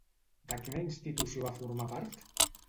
De quina institució va formar part?